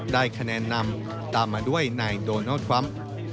ได้คะแนนนำตามมาด้วยนายโดนัลด์ทรัมป์